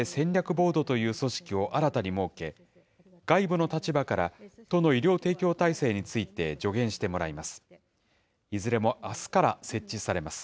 ボードという組織を新たに設け、外部の立場から都の医療提供体制について助言してもらいます。